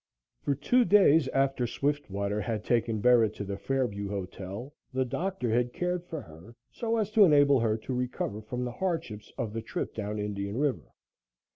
For two days after Swiftwater had taken Bera to the Fairview Hotel, the doctor had cared for her so as to enable her to recover from the hardships of the trip down Indian River.